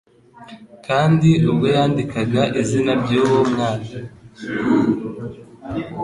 kandi ubwo yandikaga izina ry'uwo mwana,